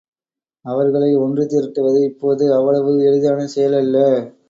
அவர்களை ஒன்று திரட்டுவது இப்போது அவ்வளவு எளிதான செயல் அல்ல.